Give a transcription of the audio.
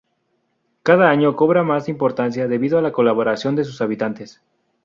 Cada año cobra más importancia debido a la colaboración de sus habitantes.